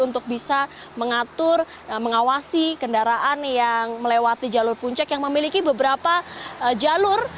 untuk bisa mengatur mengawasi kendaraan yang melewati jalur puncak yang memiliki beberapa jalur